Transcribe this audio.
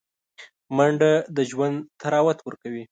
منډه د ژوند طراوت ورکوي